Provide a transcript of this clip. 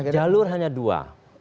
jalur hanya dua